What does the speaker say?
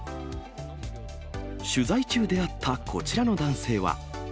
取材中、出会ったこちらの男性は。